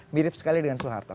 mirip sekali dengan soeharto